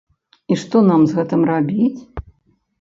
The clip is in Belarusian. І што нам з гэтым рабіць?